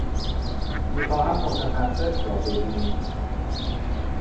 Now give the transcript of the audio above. می خواهم متخصص را ببینید.